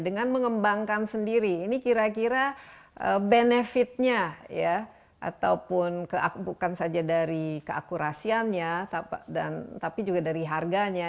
dengan mengembangkan sendiri ini kira kira benefitnya ya ataupun bukan saja dari keakurasiannya tapi juga dari harganya